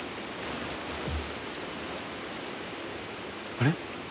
あれ？